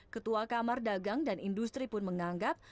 ketua kamar dagang dan industri pun menganggap